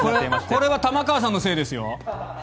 これは玉川さんのせいですよ。